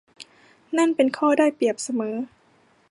นั่นเป็นข้อได้เปรียบเสมอ